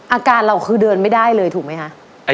อาการเราคือเดินไม่ได้เลยถูกไหมคะ